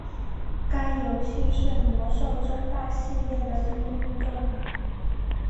该游戏是魔兽争霸系列的第一部作品。